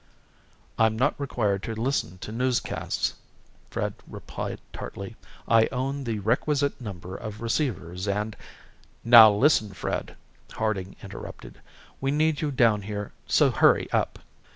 "I'm not required to listen to newscasts," Fred replied tartly. "I own the requisite number of receivers and " "Now, listen, Fred," Harding interrupted. "We need you down here so hurry up!"